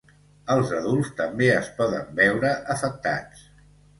Els adults també es poden veure afectats.